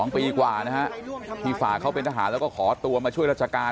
๒ปีกว่านะฮะที่ฝากเขาเป็นทหารแล้วก็ขอตัวมาช่วยราชการ